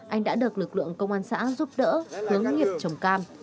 anh đã được lực lượng công an xã giúp đỡ hướng nghiệp trồng cam